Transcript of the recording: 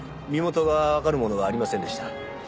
身元がわかるものはありませんでした。